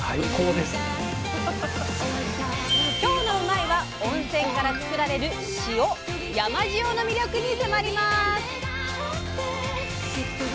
今日の「うまいッ！」は温泉からつくられる塩山塩の魅力に迫ります！